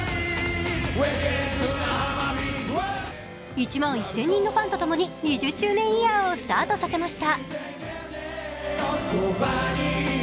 １万１０００人のファンとともに２０周年イヤーをスタートしました。